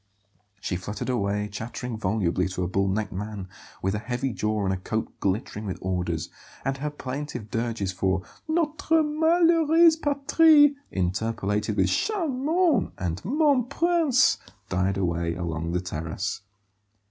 She fluttered away, chattering volubly to a bull necked man with a heavy jaw and a coat glittering with orders; and her plaintive dirges for "notre malheureuse patrie," interpolated with "charmant" and "mon prince," died away along the terrace.